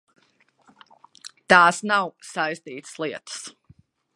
Tās nav saistītas lietas.